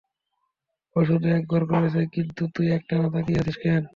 ও শুধু একবার করেছে, কিন্তু তুই একটানা তাকিয়ে আছিস কেন?